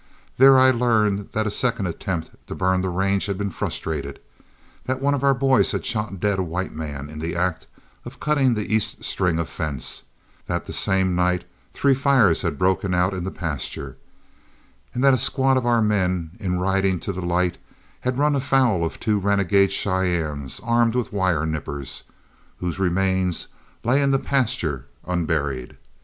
There I learned that a second attempt to burn the range had been frustrated; that one of our boys had shot dead a white man in the act of cutting the east string of fence; that the same night three fires had broken out in the pasture, and that a squad of our men, in riding to the light, had run afoul of two renegade Cheyennes armed with wire nippers, whose remains then lay in the pasture unburied.